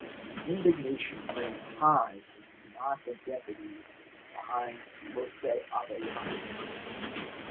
The indignation ran high in the knot of deputies behind Jose Avellanos.